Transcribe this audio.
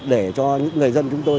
để cho những người dân chúng tôi